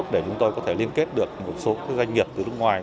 để chúng tôi có thể liên kết được một số doanh nghiệp từ nước ngoài